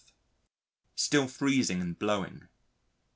Still freezing and blowing.